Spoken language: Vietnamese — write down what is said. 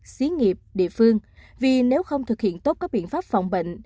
xí nghiệp địa phương vì nếu không thực hiện tốt các biện pháp phòng bệnh